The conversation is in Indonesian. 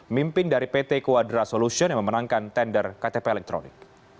mimpin dari pt quadra solution yang memenangkan tender ktp elektronik